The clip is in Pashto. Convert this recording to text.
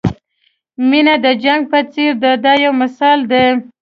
مینه د جنګ په څېر ده دا یو مثال دی.